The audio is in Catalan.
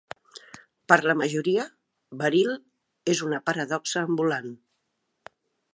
Per la majoria, Veril és una paradoxa ambulant.